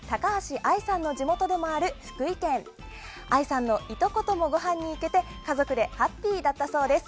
愛さんのいとこともごはんに行けて家族でハッピーだったそうです。